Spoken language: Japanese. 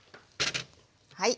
はい。